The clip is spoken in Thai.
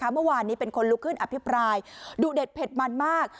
เมื่อวานนี้เป็นคนลุกขึ้นอภิปรายดุเด็ดเผ็ดมันมาก